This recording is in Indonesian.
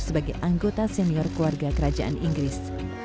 sebagai anggota senior keluarga kerajaan inggris